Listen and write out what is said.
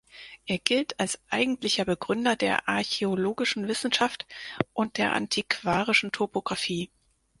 Er gilt als eigentlicher Begründer der archäologischen Wissenschaft und der antiquarischen Topographie.